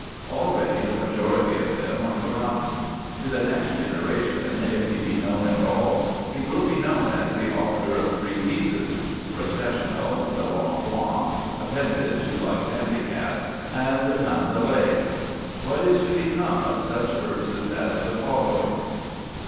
Already the majority of them are forgotten. To the next generation, if he be known at all, he will be known as the author of three pieces Recessional, the L'Envoi appended to Life's Handicap, and Mandalay. What is to become of such verses as the following?